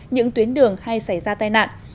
những tuyến đường hay xảy ra tai nạn